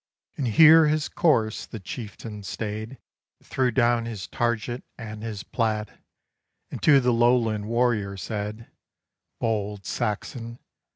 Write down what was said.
And here his course the Chieftain staid, Threw down his target and his plaid, And to the Lowland warrior said "Bold Saxon!